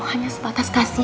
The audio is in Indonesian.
hanya sebatas kasihan